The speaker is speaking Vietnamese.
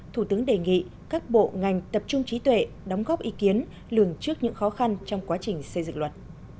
thủ tướng đề nghị các bộ ngành tập trung trí tuệ đóng góp ý kiến lường trước những khó khăn trong quá trình xây dựng luật